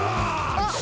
あっ！